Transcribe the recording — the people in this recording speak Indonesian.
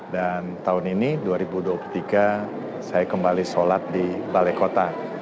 dan tahun ini dua ribu dua puluh tiga saya kembali sholat di balai kota